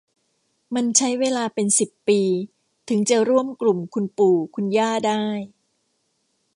มันใช้เวลาเป็นสิบปีถึงจะร่วมกลุ่มคุณปู่คุณย่าได้